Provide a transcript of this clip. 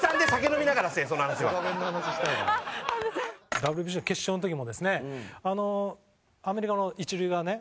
ＷＢＣの決勝の時もですねアメリカの一塁側ね。